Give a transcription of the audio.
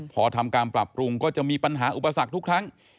พอทำการปรับปรุงก็จะมีปัญหาอุปสรรคทุกครั้ง